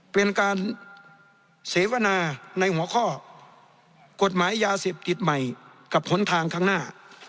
เป็นการเสวนาในหัวข้อกฎหมายยาเสพติดใหม่กับหนทางข้างหน้า